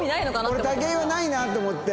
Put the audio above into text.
俺武井はないなって思って。